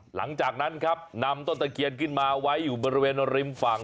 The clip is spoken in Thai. หลังจากนั้นครับนำต้นตะเคียนขึ้นมาไว้อยู่บริเวณริมฝั่ง